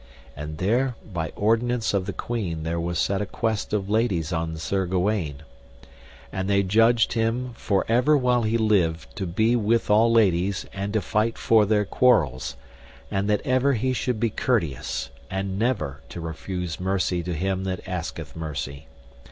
And there by ordinance of the queen there was set a quest of ladies on Sir Gawaine, and they judged him for ever while he lived to be with all ladies, and to fight for their quarrels; and that ever he should be courteous, and never to refuse mercy to him that asketh mercy.